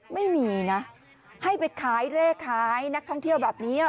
ไม่มีนะให้ไปขายเลขขายนักท่องเที่ยวแบบนี้